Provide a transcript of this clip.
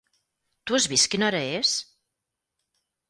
Tu has vist quina hora és?